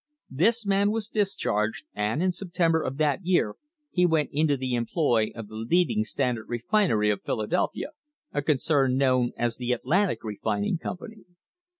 This man was discharged, and in September of that year he went into the employ of the leading Standard refinery of Philadelphia, a concern known as the Atlantic Refining Company.